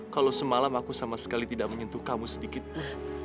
kalau semalam aku sama sekali tidak menyentuh kamu sedikitpun